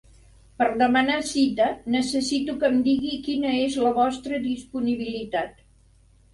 Per demanar cita, necessito que em digui quina és la vostra disponibilitat.